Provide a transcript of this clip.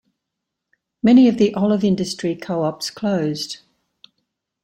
Many of the olive-industry co-ops closed.